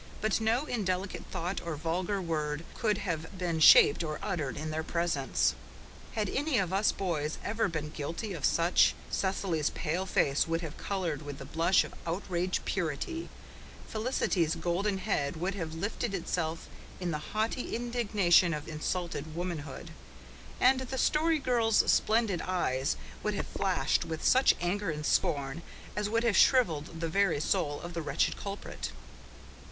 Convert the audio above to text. But no indelicate thought or vulgar word could have been shaped or uttered in their presence. Had any of us boys ever been guilty of such, Cecily's pale face would have coloured with the blush of outraged purity, Felicity's golden head would have lifted itself in the haughty indignation of insulted womanhood, and the Story Girl's splendid eyes would have flashed with such anger and scorn as would have shrivelled the very soul of the wretched culprit.